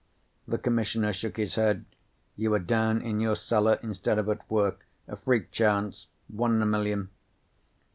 The Commissioner shook his head. "You were down in your cellar instead of at work. A freak chance. One in a million."